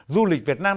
du lịch việt nam